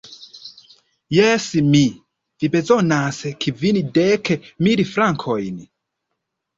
Jes, mi! Vi bezonas kvindek mil frankojn?